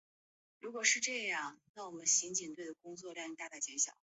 美国法院由美国联邦法院与各州或领地的州法院两系统所组成。